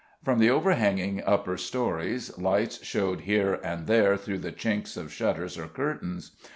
From the overhanging upper storeys lights showed here and there through the chinks of shutters or curtains.